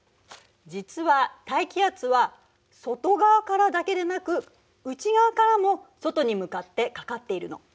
実は大気圧は外側からだけでなく内側からも外に向かってかかっているの。